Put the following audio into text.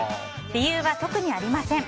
理由は特にありません。